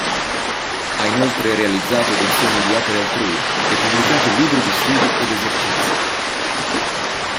Ha inoltre realizzato edizioni di opere altrui e pubblicato libri di studi ed esercizi.